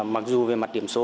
mặc dù về mặt điểm số